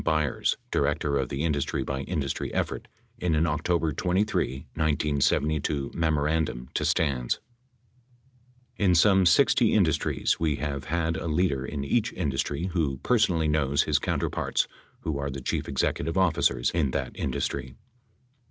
Byers, director of the industry by industry effort, in an October 23, i972, memorandum to Stans : In some 60 industries, we have had a leader in each indus try who personally knows his counterparts who are the chief executive officers in that industry.